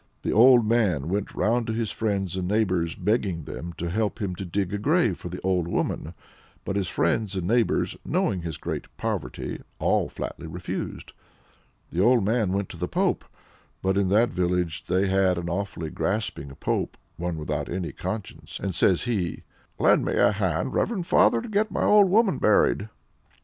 The old man went round to his friends and neighbors, begging them to help him to dig a grave for the old woman; but his friends and neighbors, knowing his great poverty, all flatly refused. The old man went to the pope, (but in that village they had an awfully grasping pope, one without any conscience), and says he: "Lend a hand, reverend father, to get my old woman buried."